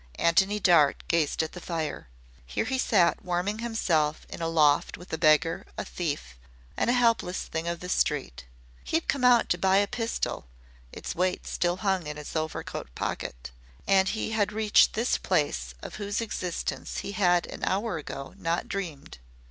Antony Dart gazed at the fire. Here he sat warming himself in a loft with a beggar, a thief, and a helpless thing of the street. He had come out to buy a pistol its weight still hung in his overcoat pocket and he had reached this place of whose existence he had an hour ago not dreamed.